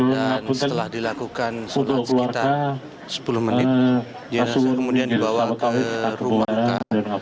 dan setelah dilakukan sholat sekitar sepuluh menit dia kemudian dibawa ke rumah duka